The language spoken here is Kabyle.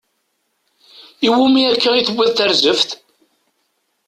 Iwumi akka i tuwiḍ tarzeft?